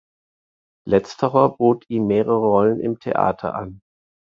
Letzterer bot ihm mehrere Rollen im Theater an.